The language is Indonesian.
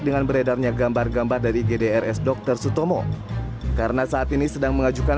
dengan beredarnya gambar gambar dari gdrs dokter sutomo karena saat ini sedang mengajukan